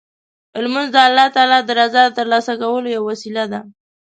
لمونځ د الله تعالی د رضا ترلاسه کولو یوه وسیله ده.